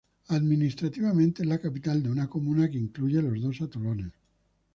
Administrativamente es la capital de una comuna que incluye los dos atolones.